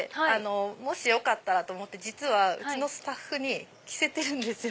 もしよかったらと思って実はうちのスタッフに着せてるんですよ